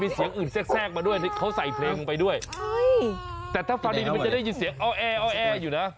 เสียงเหมือนคนจริงอ่ะแล้วปกติปลามีเสียงเหรออุ๊ย